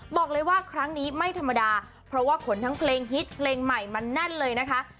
บอกเลยว่าครั้งนี้ไม่ธรรมดาเพราะว่าขนทั้งเพลงฮิตเพลงใหม่มันแน่นเลยนะคะ